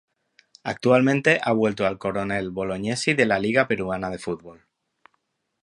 Actualmente ha vuelto al Coronel Bolognesi de la Liga peruana de fútbol.